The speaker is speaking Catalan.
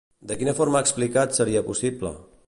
De quina forma ha explicat seria possible?